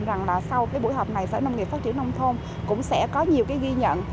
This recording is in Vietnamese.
rằng sau buổi họp này sở nông nghiệp phát triển nông thôn cũng sẽ có nhiều ghi nhận